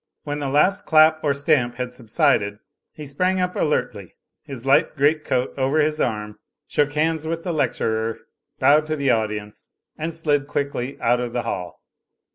When the last clap or stamp had subsided, he sprang up alertly, his light great coat over his arm, shook hands with the lecturer, bowed to the audience and slid quickly out of the hall.